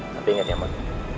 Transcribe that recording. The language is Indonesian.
tapi ingat ya man